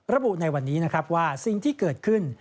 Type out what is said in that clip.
ระบุในวันนี้นะครับว่าสิ่งที่เกิดขึ้น